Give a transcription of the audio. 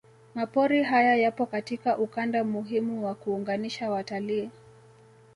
Mapori haya yapo katika ukanda muhimu wa kuunganisha watalii